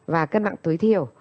và cân nặng tối thiểu